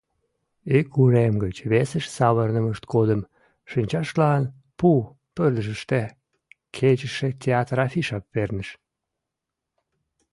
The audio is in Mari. Ик урем гыч весыш савырнымышт годым, шинчаштлан пу пырдыжыште кечыше театр афише перныш.